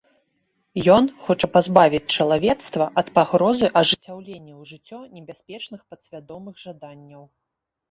Ён хоча пазбавіць чалавецтва ад пагрозы ажыццяўлення ў жыццё небяспечных падсвядомых жаданняў.